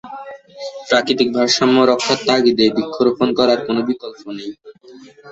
প্রাকৃতিক ভারসাম্য রক্ষার তাগিদে বৃক্ষরােপণ করার কোনাে বিকল্প নেই।